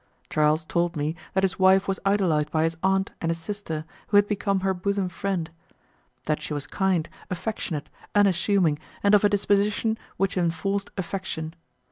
Charles told me that his wife was idolized by his aunt and his sister who had become her bosom friend; that she was kind, affectionate, unassuming, and of a disposition which enforced affection.